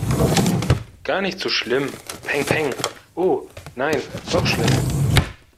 Gar nicht so schlimm. Pengpeng. Oh nein, doch schlimm!